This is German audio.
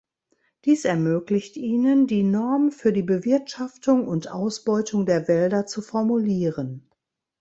Dies ermöglicht ihnen, die Norm für die Bewirtschaftung und Ausbeutung der Wälder zu formulieren.